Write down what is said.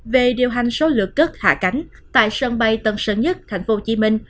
về điều hành số lược cất hạ cánh tại sân bay tân sơn nhất tp hcm